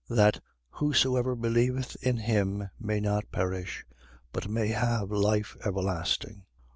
That whosoever believeth in him may not perish, but may have life everlasting.